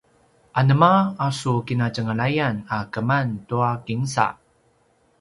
anema a su kinatjenglayan a keman tua kinsa?